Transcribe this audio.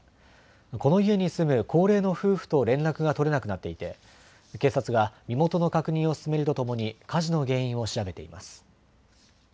この家に住む高齢の夫婦と連絡が取れなくなっていて警察が身元の確認を進めるとともに火事の原因を調べています。